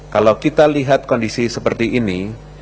kalau kita lihat kondisi seperti ini